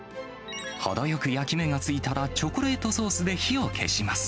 ほどよく焼き目がついたら、チョコレートソースで火を消します。